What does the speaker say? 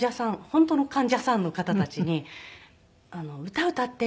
本当の患者さんの方たちに「歌を歌って」